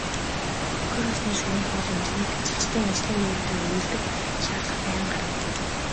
Бохир усны шугам хоолойн инженерт ажилчдын ажлын байруудаар эргэлдэх шаардлага байнга гарна.